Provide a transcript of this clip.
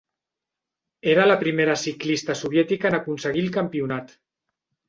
Era la primera ciclista soviètica en aconseguir el Campionat.